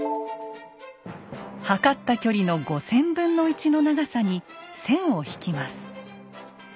測った距離の５，０００分の１の長さに線を引きます。